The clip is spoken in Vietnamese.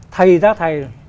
thầy ra thầy